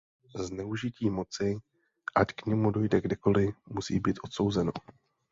Zneužití moci, ať k němu dojde kdekoli, musí být odsouzeno.